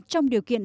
trong điều kiện